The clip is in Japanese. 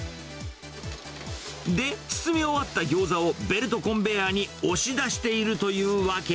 で、包み終わったギョーザを、ベルトコンベアーに押し出しているというわけ。